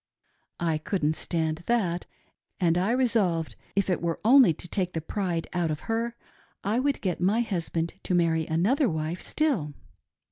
I couldn't Stand that, and I resolved, if it were only to take the pride out of her, I would get my husband to marry another wife still.